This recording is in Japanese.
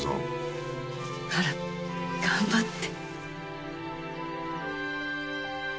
あら頑張って！